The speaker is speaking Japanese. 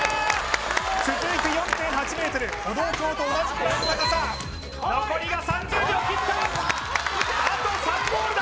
続いて４．８ｍ歩道橋と同じくらいの高さ残りが３０秒を切ったあと３ゴールだ